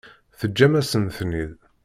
Teǧǧam-asen-ten-id.